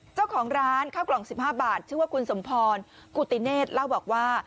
เจ้าของร้านข้าวกล่องสิบห้าบาทชื่อว่าคุณสมพรแล้วบอกว่า